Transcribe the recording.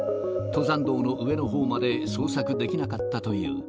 登山道の上のほうまで捜索できなかったという。